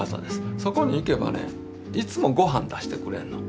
そこに行けばねいつもごはん出してくれんの。